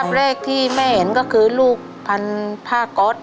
แรกที่แม่เห็นก็คือลูกพันผ้าก๊อต